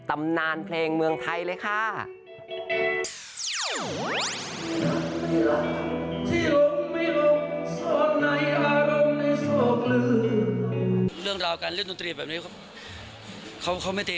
ตำนานเพลงเมืองไทยเลยค่ะ